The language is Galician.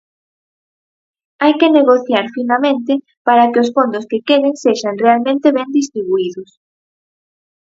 Hai que negociar finamente para que os fondos que queden sexan realmente ben distribuídos.